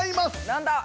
なんだ？